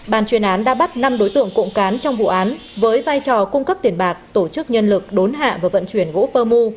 bàn chuyên án đã bắt năm đối tượng cộng cán trong vụ án với vai trò cung cấp tiền bạc tổ chức nhân lực đốn hạ và vận chuyển gỗ pơ mu